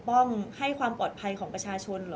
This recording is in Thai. ก็ต้องฝากพี่สื่อมวลชนในการติดตามเนี่ยแหละค่ะ